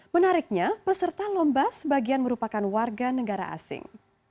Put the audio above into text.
menariknya peserta lomba sebagian merupakan warga negara asing